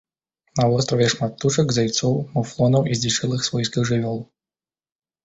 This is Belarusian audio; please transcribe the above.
На востраве шмат птушак, зайцоў, муфлонаў і здзічэлых свойскіх жывёл.